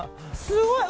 すごい！